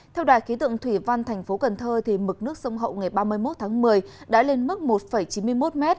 theo đài khí tượng thủy văn thành phố cần thơ mực nước sông hậu ngày ba mươi một tháng một mươi đã lên mức một chín mươi một m